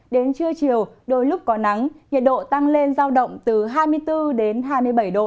đến trưa chiều đôi lúc có nắng nhiệt độ tăng lên giao động từ hai mươi bốn đến hai mươi bảy độ